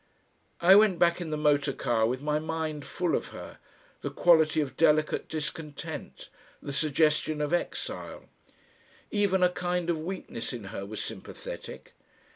I went back in the motor car with my mind full of her, the quality of delicate discontent, the suggestion of exile. Even a kind of weakness in her was sympathetic.